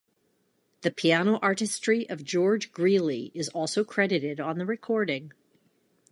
The piano artistry of George Greeley is also credited on the recording.